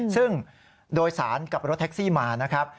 ซึ่งโดยสารกับรถแท็กซี่มานะครับ